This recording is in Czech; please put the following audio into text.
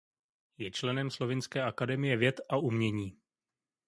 Je členem Slovinské akademie věd a umění.